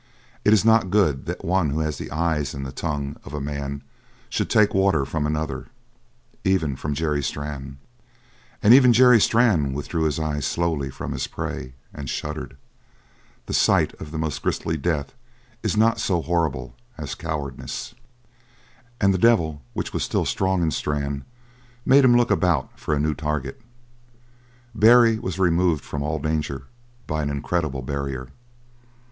It is not good that one who has the eyes and the tongue of a man should take water from another even from a Jerry Strann. And even Jerry Strann withdrew his eyes slowly from his prey, and shuddered; the sight of the most grisly death is not so horrible as cowardice. And the devil which was still strong in Strann made him look about for a new target; Barry was removed from all danger by an incredible barrier.